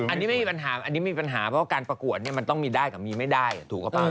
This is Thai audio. อันนี้ไม่มีปัญหาเพราะการประกวดมันต้องมีกับไม่ได้ถูกก็แปลก